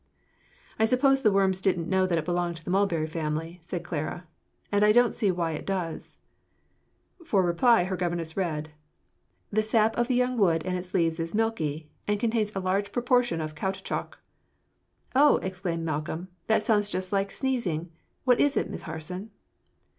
"I suppose the worms didn't know that it belonged to the mulberry family," said Clara, "and I don't see now why it does." For reply, her governess read: "'The sap of the young wood and of the leaves is milky and contains a large proportion of caoutchouc.'" "Oh!" exclaimed Malcolm; "that sounds just like sneezing. What is it, Miss Harson?"